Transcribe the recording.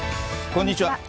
こんにちは。